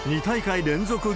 ２大会連続